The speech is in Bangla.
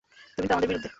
তুমি তো আমাদের বিরুদ্ধে।